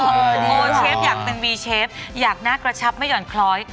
โอเชฟอยากเป็นวีเชฟอยากหน้ากระชับไม่ห่อนคล้อย